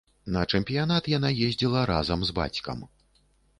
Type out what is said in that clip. На чэмпіянат яна ездзіла разам з бацькам.